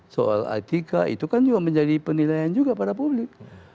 soal etika itu kan juga menjadi penilaian juga pada publik